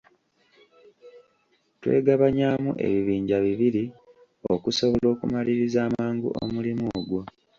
Twegabanyaamu ebibinja bibiri okusobola okumaliriza amangu omulimu ogwo.